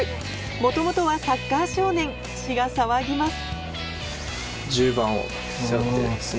元々はサッカー少年血が騒ぎます